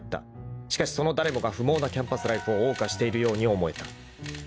［しかしその誰もが不毛なキャンパスライフを謳歌しているように思えた］